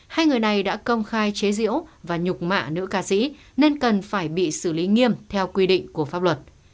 hai người này đã công khai chế diễu và nhục mạ nữ ca sĩ nên cần phải bị xử lý nghiêm theo quy định của pháp luật